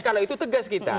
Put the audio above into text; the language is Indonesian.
kalau itu tegas kita